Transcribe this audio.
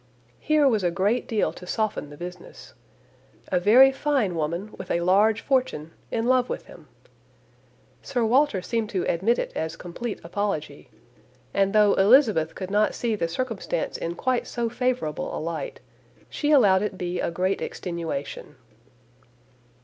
Here was a great deal to soften the business. A very fine woman with a large fortune, in love with him! Sir Walter seemed to admit it as complete apology; and though Elizabeth could not see the circumstance in quite so favourable a light, she allowed it be a great extenuation.